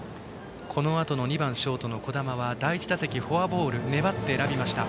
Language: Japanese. このあと２番ショートの樹神は第１打席、フォアボールを粘って選びました。